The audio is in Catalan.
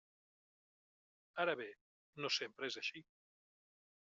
Ara bé, no sempre és així.